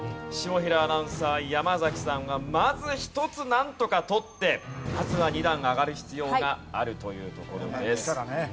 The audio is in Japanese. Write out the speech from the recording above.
下平アナウンサー山崎さんはまず１つなんとか取ってまずは２段上がる必要があるというところです。